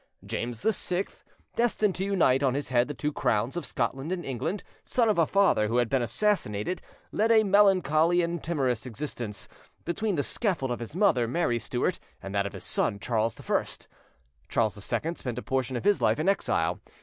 James VI, destined to unite on his head the two crowns of Scotland and England, son of a father who had been assassinated, led a melancholy and timorous existence, between the scaffold of his mother, Mary Stuart, and that of his son, Charles I. Charles II spent a portion of his life in exile.